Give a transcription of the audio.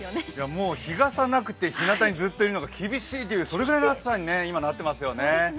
もう日傘なくてひなたにいるのが厳しいっていうそれぐらいの暑さに今なっていますよね。